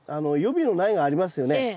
予備の苗がありますよね。